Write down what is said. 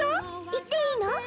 行っていいの？